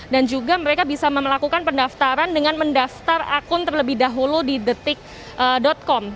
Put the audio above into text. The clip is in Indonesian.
dan juga mereka bisa melakukan pendaftaran dengan mendaftar akun terlebih dahulu di detik com